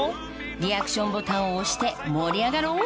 リアクションボタンを押して盛り上がろう！